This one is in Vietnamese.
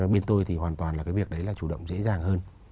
bên tôi thì hoàn toàn là cái việc đấy là chủ động dễ dàng hơn